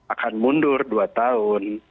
akan mundur dua tahun